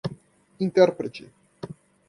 intérprete